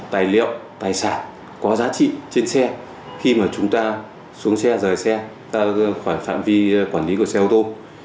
tài liệu tài sản có giá trị trên xe khi mà chúng ta xuống xe rời xe khỏi phạm vi quản lý của xe ô tô